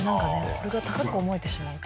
これが高く思えてしまう。